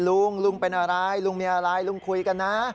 ลุงลุงเป็นอะไรลุงมีอะไรลุงคุยกันนะ